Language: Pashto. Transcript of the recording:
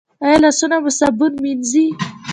ایا لاسونه مو صابون مینځئ؟